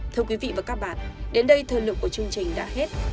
thưa quý vị và các bạn đến đây thời lượng của chương trình đã hết